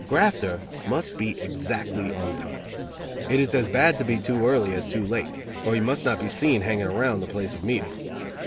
A grafter must be exactly on time. It is as bad to be too early as too late, for he must not be seen hanging around the place of meeting.